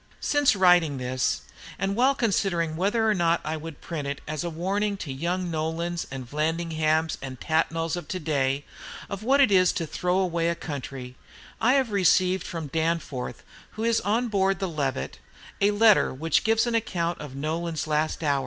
Since writing this, and while considering whether or no I would print it, as a warning to the young Nolans and Vallandighams and Tatnalls of to day of what it is to throw away a country, I have received from Danforth, who is on board the "Levant," a letter which gives an account of Nolan's last hours.